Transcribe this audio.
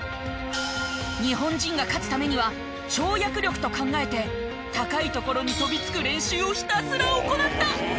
日本人が勝つためには跳躍力と考えて高い所に跳びつく練習をひたすら行った。